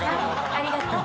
ありがとう。